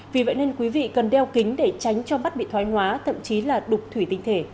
vì vậy nên quý vị cần đeo kính để tránh cho mắt bị thoái hóa thậm chí là đục thủy tinh thể